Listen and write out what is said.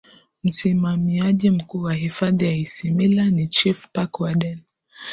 msimamiaji mkuu wa hifadhi ya isimila ni chief park Warden